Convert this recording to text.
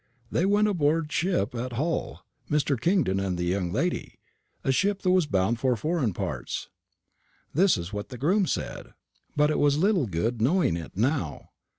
They went aboard ship at Hull, Mr. Kingdon and the young lady a ship that was bound for foreign parts.' This is what the groom said; but it was little good knowing it now.